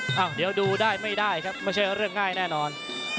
อ้าวเดี๋ยวดูได้ไม่ได้ครับไม่ใช่เรื่องง่ายแน่นอน